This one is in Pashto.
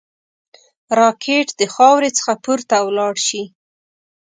راکټ د خاورې څخه پورته ولاړ شي